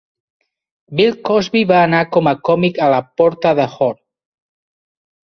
Bill Cosby va anar com a còmic a la "Porta de Horn".